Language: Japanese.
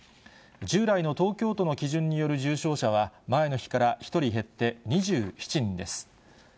従来の東京都の基準による重症者は、前の日から１人減って２７人です。